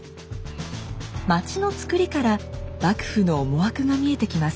町のつくりから幕府の思惑が見えてきます。